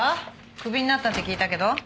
クビになったって聞いたけど。